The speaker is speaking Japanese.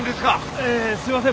ええすいません